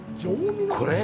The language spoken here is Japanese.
これ？